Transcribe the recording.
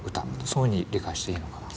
そういうふうに理解していいのかな？